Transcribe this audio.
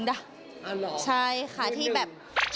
อ้าวเหรอยืนหนึ่งใช่ขายที่แบบ